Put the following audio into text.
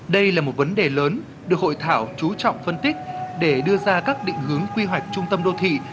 đây là một vấn đề lớn được hội thảo chú trọng phân tích để đưa ra các định hướng quy hoạch trung tâm đô thị